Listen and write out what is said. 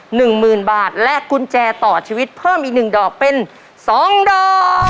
๑หมื่นบาทและกุญแจต่อชีวิตเพิ่มอีก๑ดอกเป็น๒ดอก